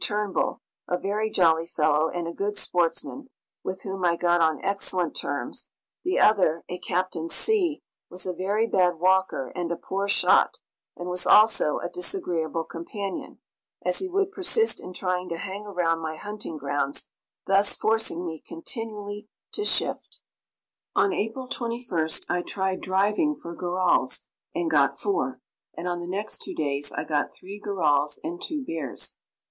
Turnbull, a very jolly fellow and a good sportsman, with whom I got on excellent terms; the other, a Captain C., was a very bad walker and a poor shot, and was also a disagreeable companion, as he would persist in trying to hang around my hunting grounds, thus forcing me continually to shift. On April 21st I tried driving for gorals, and got four, and on the next two days I got three gorals and two bears.